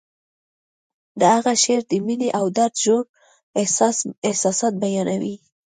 د هغه شعر د مینې او درد ژور احساسات بیانوي